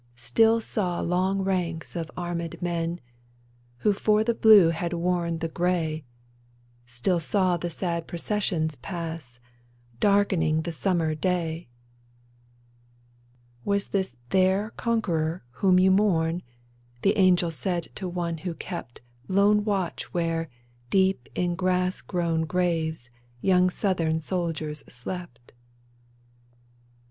Still saw long ranks of armed men Who for the blue had worn the gray — Still saw the sad processions pass, Darkening the summer day !Was this their conqueror whom you mourn ?" The angel said to one v/ho kept Lone watch where, deep in grass grown graves. Young Southern soldiers slept.